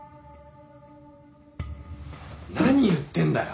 何言ってんだよ？